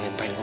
di atas mu